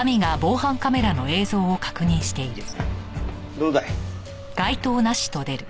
どうだい？